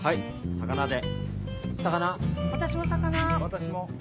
魚で。